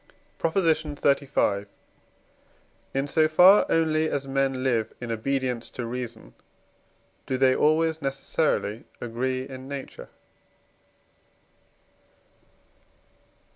PROP. XXXV. In so far only as men live in obedience to reason, do they always necessarily agree in nature.